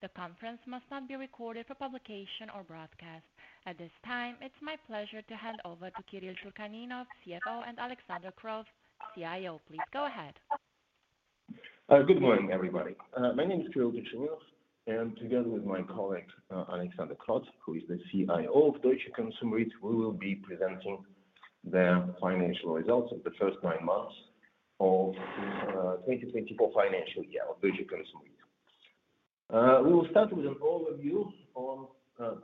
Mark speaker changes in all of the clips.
Speaker 1: The conference must not be recorded for publication or broadcast. At this time, it's my pleasure to hand over to Kyrill Turchaninov, CFO, and Alexander Kroth, CIO. Please go ahead.
Speaker 2: Good morning, everybody. My name is Kyrill Turchaninov, and together with my colleague, Alexander Kroth, who is the CIO of Deutsche Konsum REIT, we will be presenting the financial results of the first nine months of 2024 financial year of Deutsche Konsum REIT. We will start with an overview on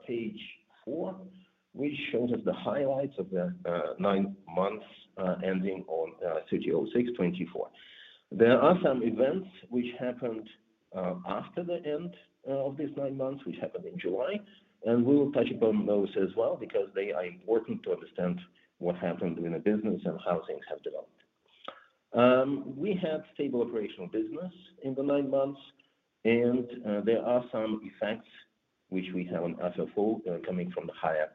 Speaker 2: page 4, which shows us the highlights of the nine months ending on 30/06/2024. There are some events which happened after the end of these nine months, which happened in July, and we will touch upon those as well, because they are important to understand what happened in the business and how things have developed. We had stable operational business in the nine months, and there are some effects which we have on FFO coming from the higher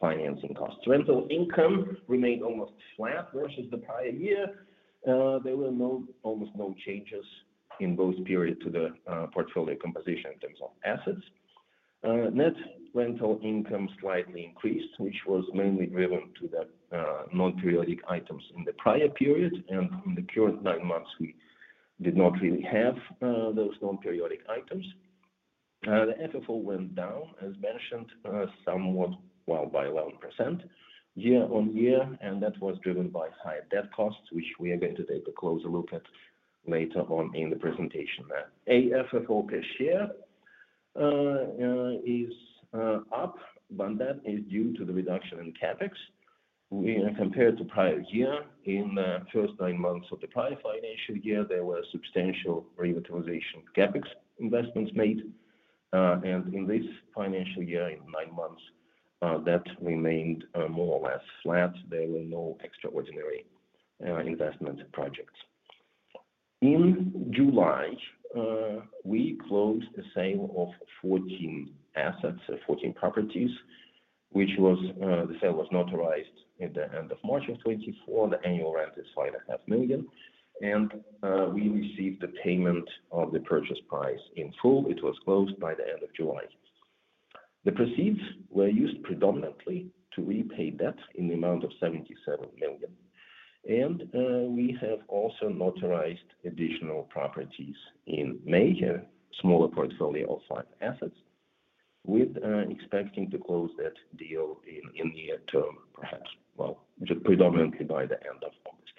Speaker 2: financing costs. Rental income remained almost flat versus the prior year. There were almost no changes in both periods to the portfolio composition in terms of assets. Net rental income slightly increased, which was mainly driven to the non-periodic items in the prior period, and in the current nine months, we did not really have those non-periodic items. The FFO went down, as mentioned, somewhat, well, by 11% year on year, and that was driven by higher debt costs, which we are going to take a closer look at later on in the presentation. Then AFFO per share is up, but that is due to the reduction in CapEx. We compared to prior year, in the first nine months of the prior financial year, there were substantial revitalization CapEx investments made. And in this financial year, in nine months, that remained more or less flat. There were no extraordinary investment projects. In July, we closed the sale of 14 assets, 14 properties, which was the sale was notarized in the end of March of 2024. The annual rent is 5.5 million, and we received the payment of the purchase price in full. It was closed by the end of July. The proceeds were used predominantly to repay debt in the amount of 77 million, and we have also notarized additional properties in May here, smaller portfolio of five assets, with expecting to close that deal in the near term, perhaps, well, just predominantly by the end of August.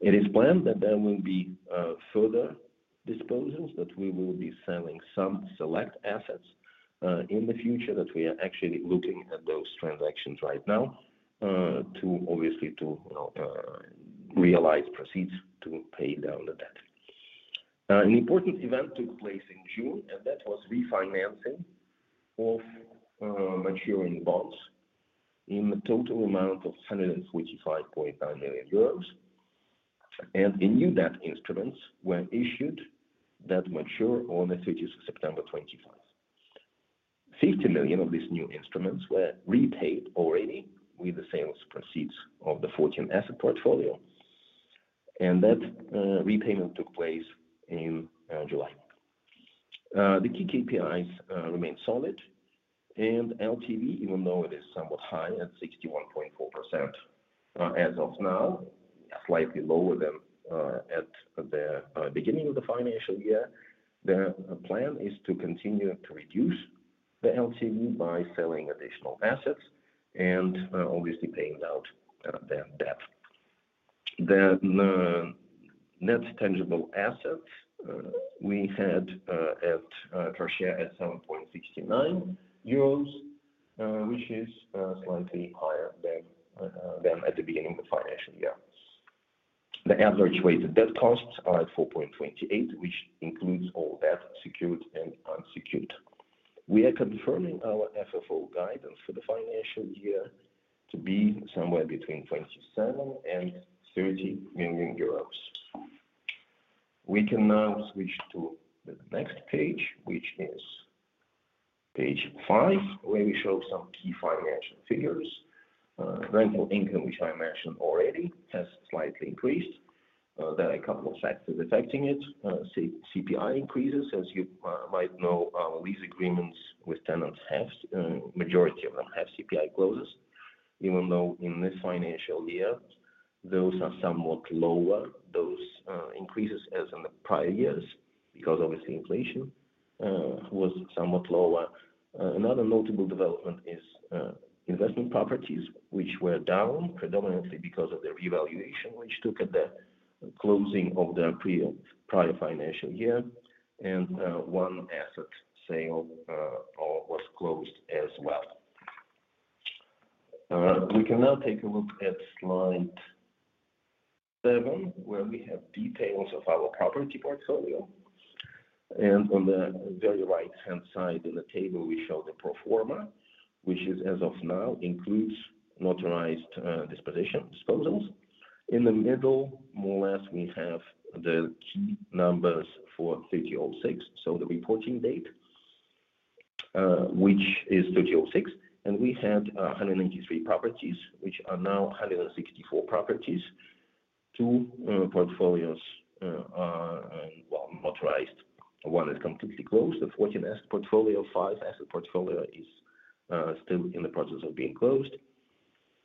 Speaker 2: It is planned that there will be further disposals, that we will be selling some select assets in the future, that we are actually looking at those transactions right now, to obviously, you know, realize proceeds to pay down the debt. An important event took place in June, and that was refinancing of maturing bonds in the total amount of 145.9 million euros. The new debt instruments were issued that mature on the 30th of September 2025. 50 million of these new instruments were repaid already with the sales proceeds of the 14 asset portfolio, and that repayment took place in July. The key KPIs remain solid, and LTV, even though it is somewhat high at 61.4%, as of now, slightly lower than at the beginning of the financial year. The plan is to continue to reduce the LTV by selling additional assets and obviously paying down the debt. The net tangible assets we had at per share at 7.69 euros, which is slightly higher than at the beginning of the financial year. The average weighted debt costs are at 4.28, which includes all debt, secured and unsecured. We are confirming our FFO guidance for the financial year to be somewhere between 27 million and 30 million euros. We can now switch to the next page, which is page five, where we show some key financial figures. Rental income, which I mentioned already, has slightly increased. There are a couple of factors affecting it. CPI increases. As you might know, lease agreements with tenants have, majority of them have CPI clauses. Even though in this financial year, those are somewhat lower, those increases as in the prior years, because obviously inflation was somewhat lower. Another notable development is, investment properties, which were down predominantly because of the revaluation, which took at the closing of the prior financial year, and one asset sale was closed as well. We can now take a look at slide seven, where we have details of our property portfolio, and on the very right-hand side in the table, we show the pro forma, which is, as of now, includes notarized disposition disposals. In the middle, more or less, we have the key numbers for 30.06, so the reporting date, which is 30.06, and we had 193 properties, which are now 164 properties. Two portfolios are well monetized. One is completely closed. The 14-asset portfolio, 5-asset portfolio is still in the process of being closed.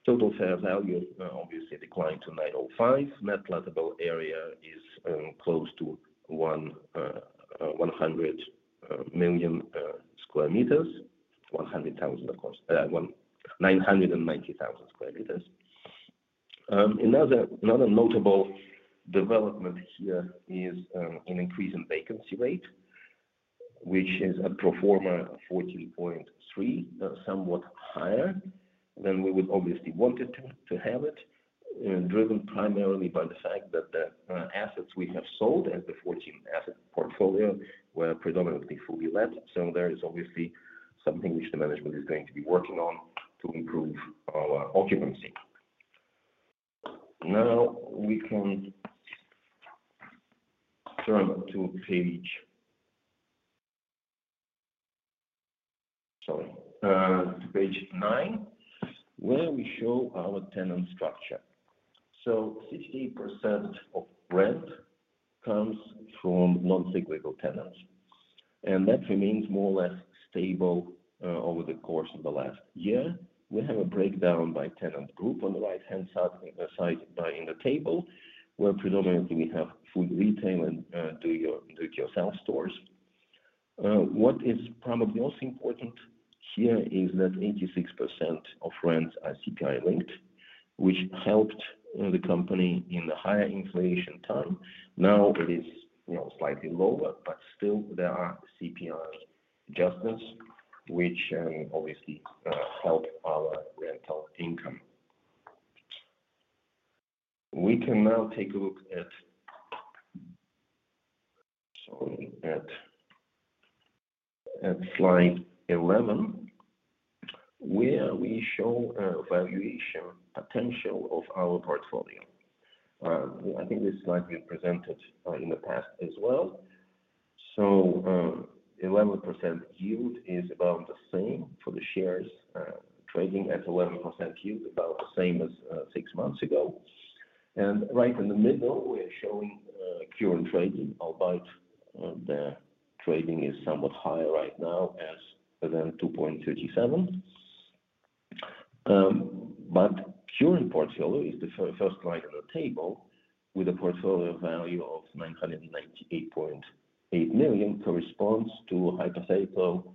Speaker 2: Total fair value obviously declined to 905 million. Net leasable area is close to 1 million square meters. 999,000 square meters, of course. Another notable development here is an increase in vacancy rate, which is a pro forma 14.3%, somewhat higher than we would obviously wanted to have it. Driven primarily by the fact that the assets we have sold as the 14 asset portfolio were predominantly fully let. So there is obviously something which the management is going to be working on to improve our occupancy. Now, we can turn to page... Sorry, to page nine, where we show our tenant structure. So 60% of rent comes from non-cyclical tenants, and that remains more or less stable over the course of the last year. We have a breakdown by tenant group on the right-hand side, in the side, in the table, where predominantly we have food, retail, and do-it-yourself stores. What is probably most important here is that 86% of rents are CPI linked, which helped the company in the higher inflation time. Now it is, you know, slightly lower, but still there are CPI adjustments, which obviously help our rental income. We can now take a look at slide 11, where we show valuation potential of our portfolio. I think this slide been presented in the past as well. So, 11% yield is about the same for the shares trading at 11% yield, about the same as six months ago. And right in the middle, we're showing current trading, albeit the trading is somewhat higher right now than 2.37. But current portfolio is the first line on the table with a portfolio value of 998.8 million, corresponds to hypothetical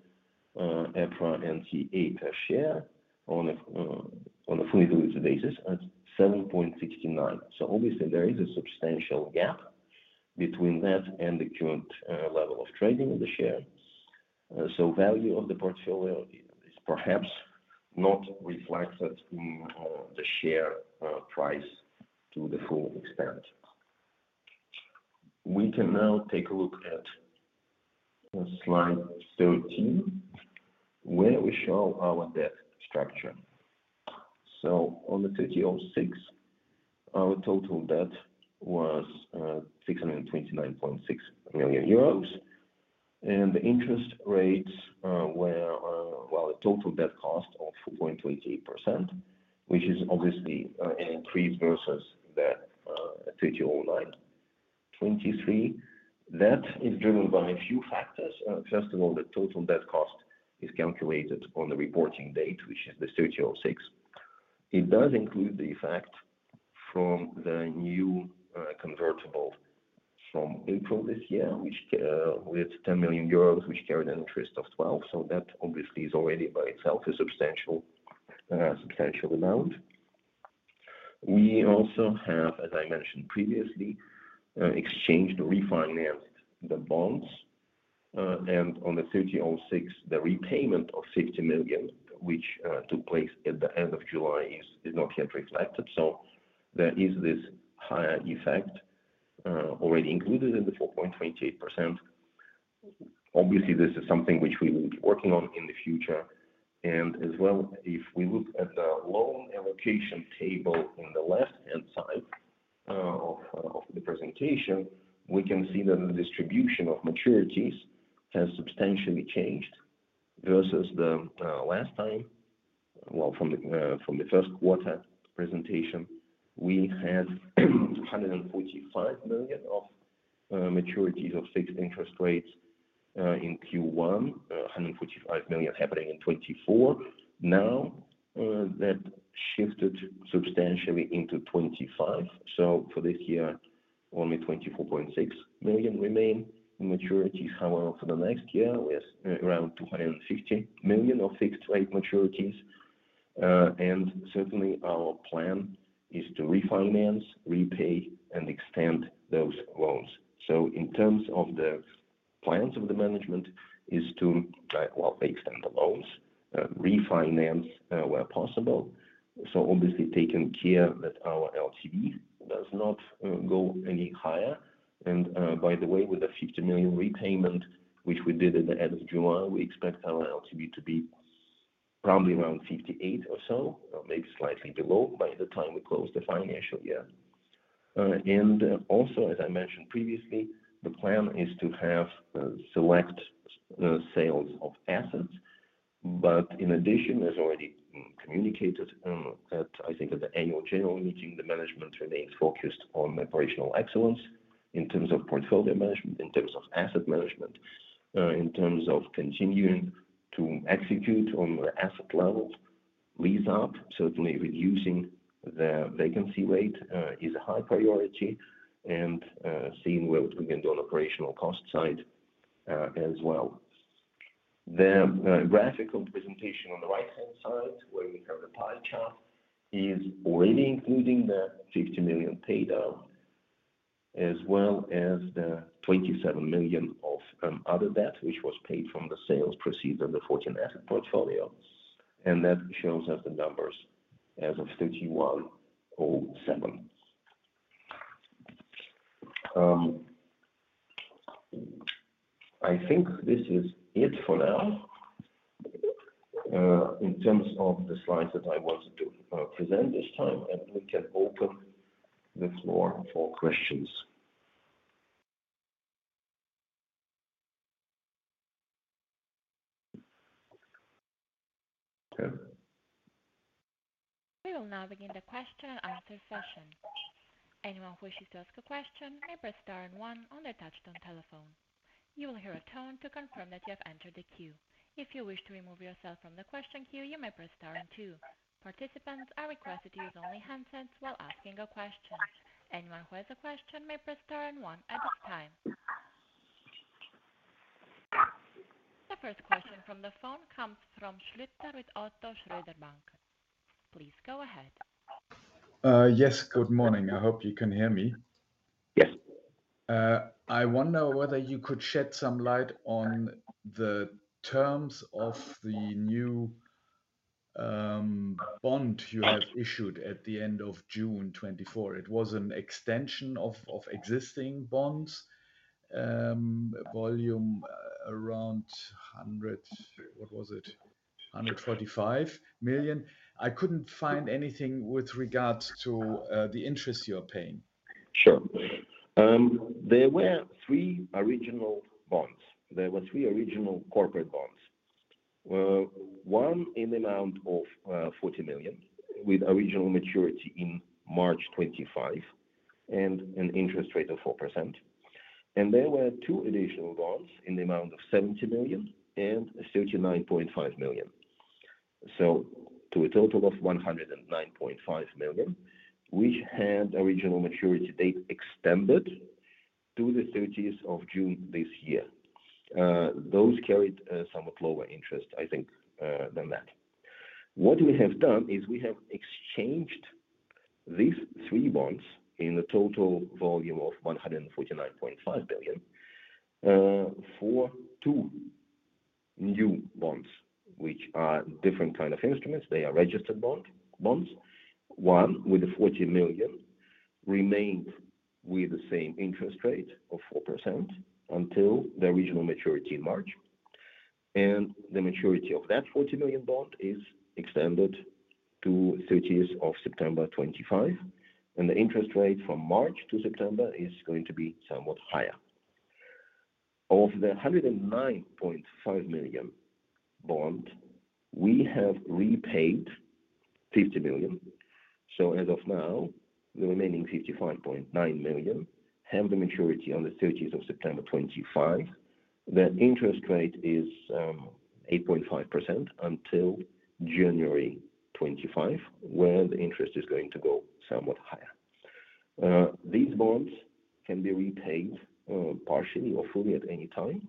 Speaker 2: EPRA NTA per share on a fully diluted basis at 7.69. So obviously, there is a substantial gap between that and the current level of trading of the share. So value of the portfolio is perhaps not reflected in the share price to the full extent. We can now take a look at slide 13, where we show our debt structure. So on the 30/06/2023, our total debt was 629.6 million euros, and the interest rates were well, a total debt cost of 4.28%, which is obviously an increase versus the 30/09/2023. That is driven by a few factors. First of all, the total debt cost is calculated on the reporting date, which is the 30/06/2023. It does include the effect from the new convertible from April this year, which with 10 million euros, which carried an interest of 12%. So that obviously is already by itself a substantial amount. We also have, as I mentioned previously, exchanged, refinanced the bonds, and on the 30.06, the repayment of 50 million, which took place at the end of July, is not yet reflected. So there is this higher effect already included in the 4.28%. Obviously, this is something which we will be working on in the future. As well, if we look at the loan allocation table on the left-hand side of the presentation, we can see that the distribution of maturities has substantially changed versus the last time. Well, from the first quarter presentation, we had 145 million of maturities of fixed interest rates in Q1, 145 million happening in 2024. Now, that shifted substantially into 2025. So for this year, only 24.6 million remain in maturities. However, for the next year, we have around 250 million of fixed-rate maturities. And certainly our plan is to refinance, repay, and extend those loans. So in terms of the plans of the management, is to well, extend the loans, refinance where possible. So obviously taking care that our LTV does not go any higher. And by the way, with the 50 million repayment, which we did at the end of July, we expect our LTV to be... Probably around 58 or so, or maybe slightly below, by the time we close the financial year. And also, as I mentioned previously, the plan is to have select sales of assets. But in addition, as already communicated, at, I think, at the annual general meeting, the management remains focused on operational excellence in terms of portfolio management, in terms of asset management, in terms of continuing to execute on the asset level lease-up. Certainly, reducing the vacancy rate is a high priority, and same will begin on operational cost side, as well. The graphical presentation on the right-hand side, where we have the pie chart, is already including the 50 million paydown, as well as the 27 million of other debt, which was paid from the sales proceeds of the fourteen asset portfolio, and that shows us the numbers as of 31 July. I think this is it for now, in terms of the slides that I wanted to present this time, and we can open the floor for questions. Sure.
Speaker 1: We will now begin the question and answer session. Anyone who wishes to ask a question may press star and one on their touchtone telephone. You will hear a tone to confirm that you have entered the queue. If you wish to remove yourself from the question queue, you may press star and two. Participants are requested to use only handsets while asking a question. Anyone who has a question may press star and one at this time. The first question from the phone comes from Manuel Schlitter with ODDO BHF. Please go ahead.
Speaker 3: Yes, good morning. I hope you can hear me.
Speaker 2: Yes.
Speaker 3: I wonder whether you could shed some light on the terms of the new bond you have issued at the end of June 2024. It was an extension of, of existing bonds, volume around 100... What was it? 145 million. I couldn't find anything with regards to the interest you're paying.
Speaker 2: Sure. There were three original bonds. There were three original corporate bonds. One in the amount of 40 million, with original maturity in March 2025, and an interest rate of 4%. And there were two additional bonds in the amount of 70 million and 39.5 million. So to a total of 109.5 million, which had original maturity date extended to the 30th of June this year. Those carried a somewhat lower interest, I think, than that. What we have done is we have exchanged these three bonds in a total volume of 149.5 billion for two new bonds, which are different kind of instruments. They are registered bond, bonds. One with a 40 million remained with the same interest rate of 4% until the original maturity in March, and the maturity of that 40 million bond is extended to thirtieth of September 2025, and the interest rate from March to September is going to be somewhat higher. Of the 109.5 million bond, we have repaid 50 million. So as of now, the remaining 55.9 million have the maturity on the 30th of September 2025. The interest rate is, eight point five percent until January 2025, where the interest is going to go somewhat higher. These bonds can be repaid, partially or fully at any time,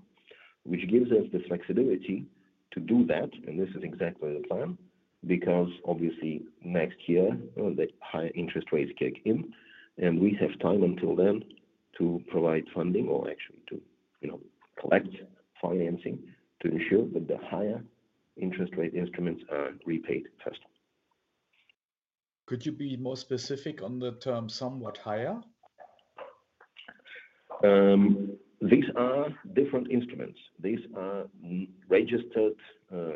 Speaker 2: which gives us the flexibility to do that, and this is exactly the plan, because obviously next year, the higher interest rates kick in, and we have time until then to provide funding or actually to, you know, collect financing to ensure that the higher interest rate instruments are repaid first.
Speaker 3: Could you be more specific on the term somewhat higher?
Speaker 2: These are different instruments. These are registered,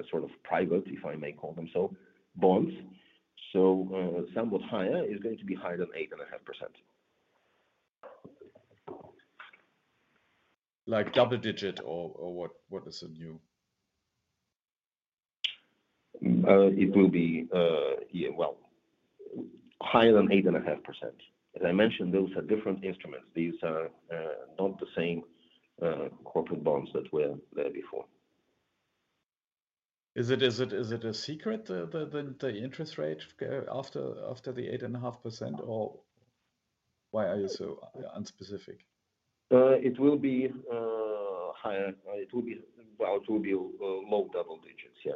Speaker 2: sort of private, if I may call them so, bonds. So, somewhat higher is going to be higher than 8.5%.
Speaker 3: Like double digit or what is the new?
Speaker 2: It will be, yeah, well, higher than 8.5%. As I mentioned, those are different instruments. These are not the same corporate bonds that were there before.
Speaker 3: Is it a secret, the interest rate after the 8.5%, or why are you so unspecific?
Speaker 2: It will be higher. It will be... Well, it will be low double digits. Yes.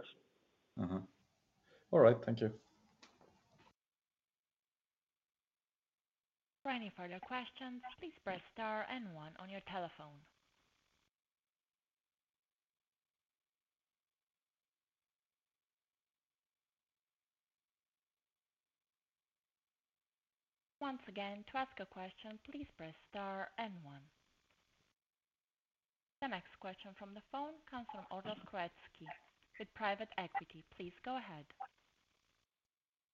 Speaker 3: Mm-hmm. All right. Thank you.
Speaker 1: For any further questions, please press star and one on your telephone.... Once again, to ask a question, please press star and one. The next question from the phone comes from Artur Koretzky with Private Assets AG. Please go ahead.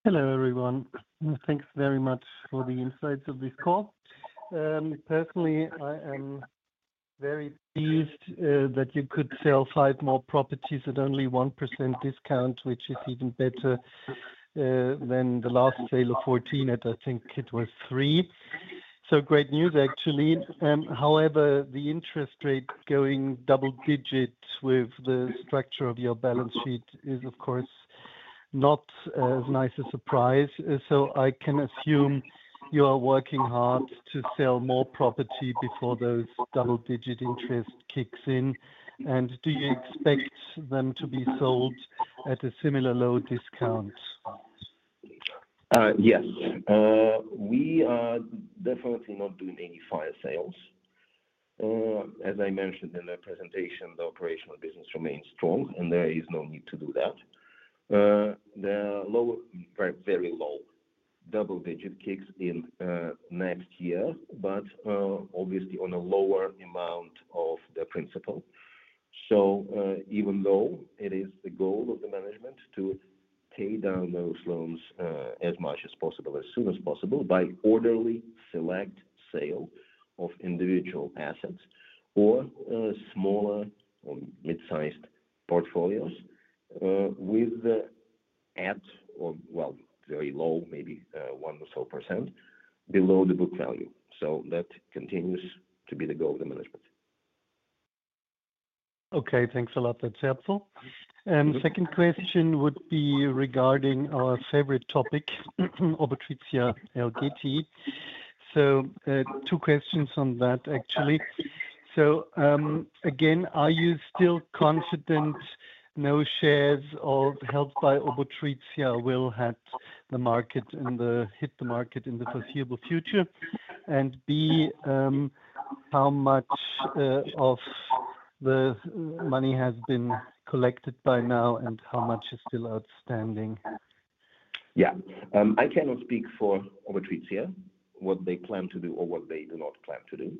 Speaker 4: Hello, everyone, and thanks very much for the insights of this call. Personally, I am very pleased that you could sell 5 more properties at only 1% discount, which is even better than the last sale of 14 at I think it was 3%. Great news actually. However, the interest rate going double digits with the structure of your balance sheet is, of course, not as nice a surprise. So I can assume you are working hard to sell more property before those double-digit interest kicks in, and do you expect them to be sold at a similar low discount?
Speaker 2: Yes. We are definitely not doing any fire sales. As I mentioned in the presentation, the operational business remains strong, and there is no need to do that. The low, very, very low double digit kicks in next year, but obviously on a lower amount of the principal. So, even though it is the goal of the management to pay down those loans as much as possible, as soon as possible, by orderly select sale of individual assets or smaller or mid-sized portfolios with the at or... Well, very low, maybe one or so percent below the book value. So that continues to be the goal of the management.
Speaker 4: Okay. Thanks a lot. That's helpful. Second question would be regarding our favorite topic, Obotritia. Two questions on that, actually. Again, are you still confident no shares held by Obotritia will hit the market in the foreseeable future? And B, how much of the money has been collected by now, and how much is still outstanding?
Speaker 2: Yeah. I cannot speak for Obotritia, what they plan to do or what they do not plan to do.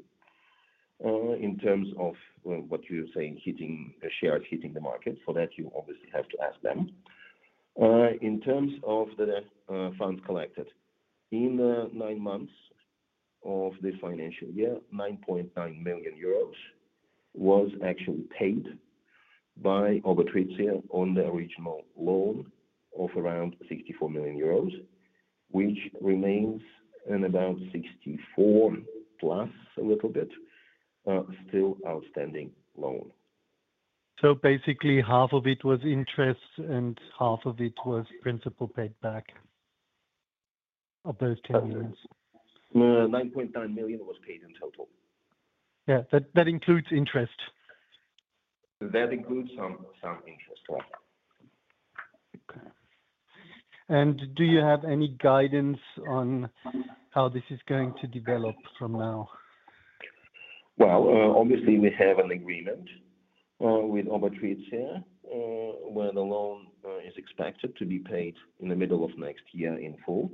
Speaker 2: In terms of what you're saying, the shares hitting the market, for that, you obviously have to ask them. In terms of the funds collected, in the nine months of this financial year, 9.9 million euros was actually paid by Obotritia on the original loan of around 64 million euros, which remains in about 64 plus a little bit, still outstanding loan.
Speaker 4: Basically, half of it was interest and half of it was principal paid back of those 10 million?
Speaker 2: 9.9 million was paid in total.
Speaker 4: Yeah, that, that includes interest?
Speaker 2: That includes some interest, yeah.
Speaker 4: Okay. And do you have any guidance on how this is going to develop from now?
Speaker 2: Well, obviously, we have an agreement with Obotritia, where the loan is expected to be paid in the middle of next year in full.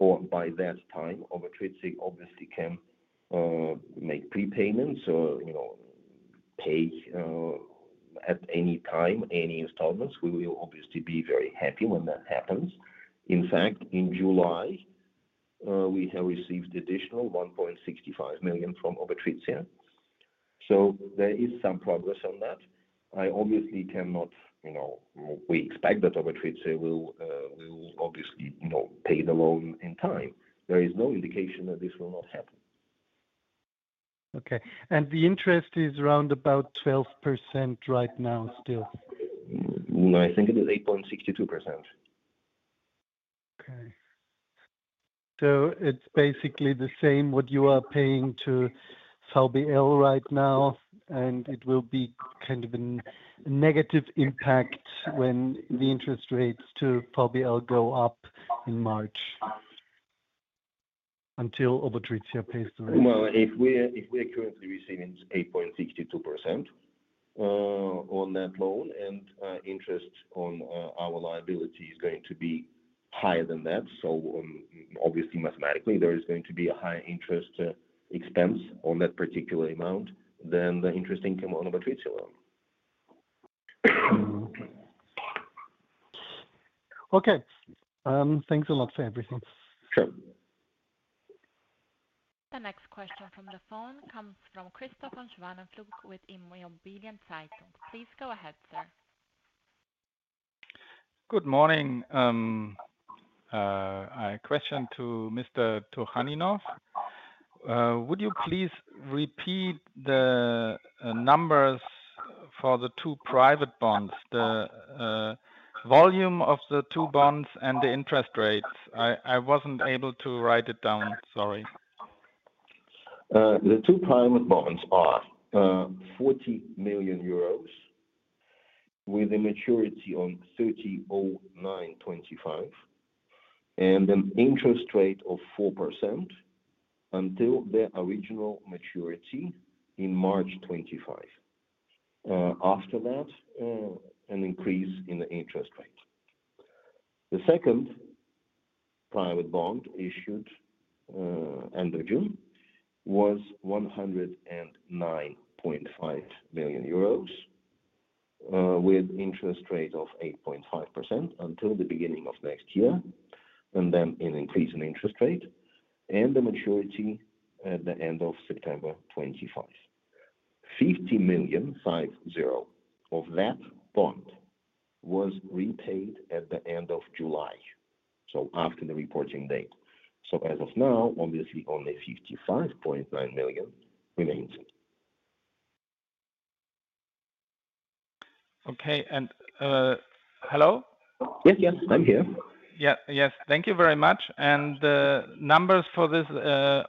Speaker 2: But by that time, Obotritia obviously can make prepayments or, you know, pay at any time, any installments. We will obviously be very happy when that happens. In fact, in July, we have received additional 1.65 million from Obotritia, so there is some progress on that. I obviously cannot... You know, we expect that Obotritia will obviously, you know, pay the loan in time. There is no indication that this will not happen.
Speaker 4: Okay. And the interest is around about 12% right now still?
Speaker 2: No, I think it is 8.62%.
Speaker 4: Okay. So it's basically the same what you are paying to VBL right now, and it will be kind of a negative impact when the interest rates to VBL go up in March until Obotritia pays the rest.
Speaker 2: Well, if we're currently receiving 8.62% on that loan and interest on our liability is going to be higher than that. So, obviously, mathematically, there is going to be a higher interest expense on that particular amount than the interest income on Obotritia loan.
Speaker 4: Okay. Thanks a lot for everything.
Speaker 2: Sure.
Speaker 1: The next question from the phone comes from Christoph von Schwanenflugel with Immobilien Zeitung. Please go ahead, sir.
Speaker 5: Good morning. A question to Mr. Turchaninov. Would you please repeat the numbers for the two private bonds, the volume of the two bonds and the interest rates? I wasn't able to write it down, sorry.
Speaker 2: The two private bonds are, 40 million euros, with a maturity on 30/09/2025, and an interest rate of 4% until their original maturity in March 2025, after that, an increase in the interest rate. The second private bond issued end of June was 109.5 million euros, with interest rate of 8.5% until the beginning of next year, and then an increase in interest rate, and the maturity at the end of September 2025. EUR 50 million, 50, of that bond was repaid at the end of July, so after the reporting date. So as of now, obviously, only 55.9 million remains.
Speaker 5: Okay, and... Hello?
Speaker 2: Yes, yes, I'm here.
Speaker 5: Yeah. Yes, thank you very much. And, numbers for this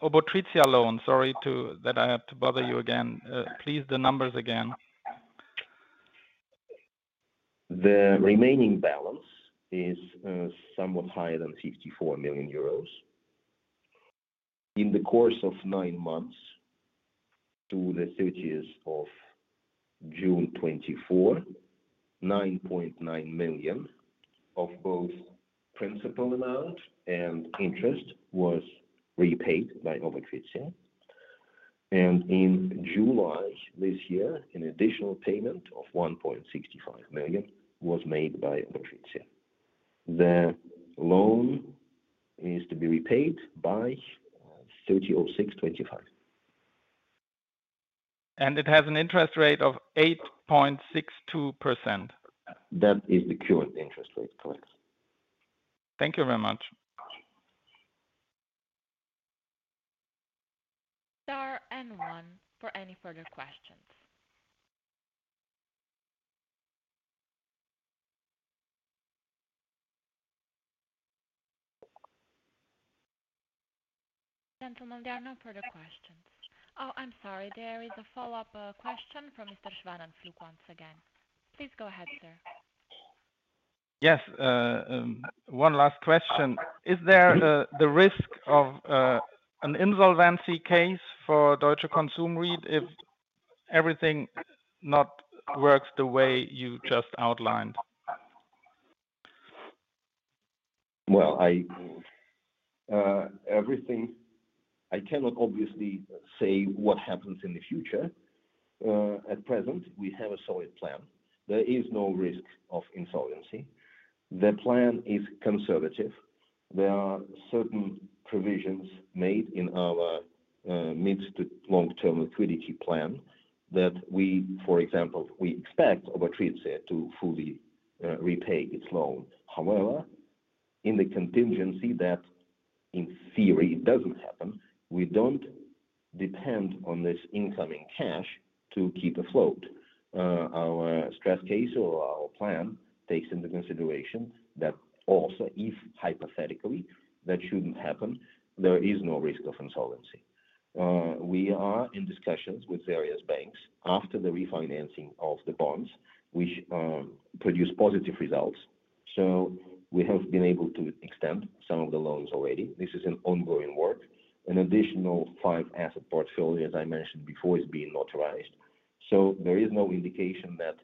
Speaker 5: Obotritia loan. Sorry to-- that I have to bother you again. Please, the numbers again.
Speaker 2: The remaining balance is somewhat higher than 54 million euros. In the course of nine months to the 30th of June 2024, 9.9 million of both principal amount and interest was repaid by Obotritia. In July this year, an additional payment of 1.65 million was made by Obotritia. The loan is to be repaid by 30th of June 2025.
Speaker 5: It has an interest rate of 8.62%?
Speaker 2: That is the current interest rate, correct?
Speaker 5: Thank you very much.
Speaker 1: Star and one for any further questions. Gentlemen, there are no further questions. Oh, I'm sorry. There is a follow-up question from Mr. Schwanenflugel once again. Please go ahead, sir.
Speaker 5: Yes, one last question. Is there the risk of an insolvency case for Deutsche Konsum REIT-AG if everything not works the way you just outlined?
Speaker 2: Well, I cannot obviously say what happens in the future. At present, we have a solid plan. There is no risk of insolvency. The plan is conservative. There are certain provisions made in our mid to long-term liquidity plan that we, for example, we expect Obotritia to fully repay its loan. However, in the contingency that in theory it doesn't happen, we don't depend on this incoming cash to keep afloat. Our stress case or our plan takes into consideration that also, if hypothetically, that shouldn't happen, there is no risk of insolvency. We are in discussions with various banks after the refinancing of the bonds, which produce positive results, so we have been able to extend some of the loans already. This is an ongoing work. An additional five asset portfolio, as I mentioned before, is being authorized. There is no indication that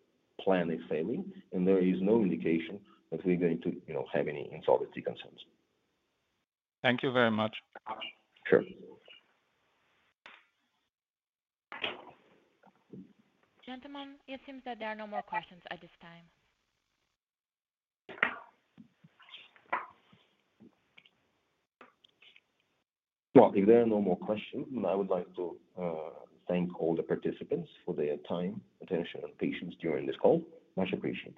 Speaker 2: plan is failing, and there is no indication that we're going to, you know, have any insolvency concerns.
Speaker 5: Thank you very much.
Speaker 2: Sure.
Speaker 1: Gentlemen, it seems that there are no more questions at this time.
Speaker 2: Well, if there are no more questions, then I would like to thank all the participants for their time, attention, and patience during this call. Much appreciated.